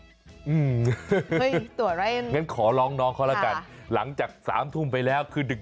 อื้อตัวเล่นงั้นขอร้องน้องเขาละกันหลังจาก๓ทุ่มไปแล้วคือดึก